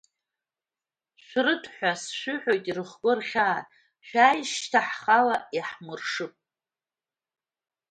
Шәрыҭәҳәа, сшәыҳәоит, ирыхго рхьаа, шәааи, шьҭа ҳхала иаҳмыршып…